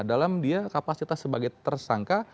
dalam dia kapasitas sebagai tersangka